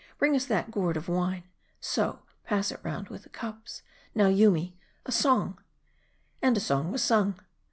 ee, bring us that gourd of wine ; so r pass it round with the cups. Now, Yoomy, a song !" And a song was sung.